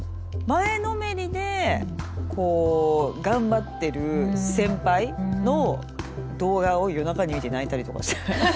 前のめりでこう頑張ってる先輩の動画を夜中に見て泣いたりとかして。